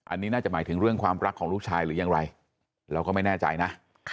อันนี้น่าจะหมายถึงเรื่องความรักของลูกชายหรือยังไรเราก็ไม่แน่ใจนะ